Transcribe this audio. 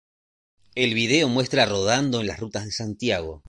El video muestra rodando en las rutas de Santiago.